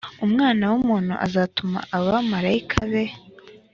umwana w umuntu azatuma abamarayika be